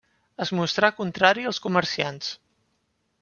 Es mostrà contrari als comerciants.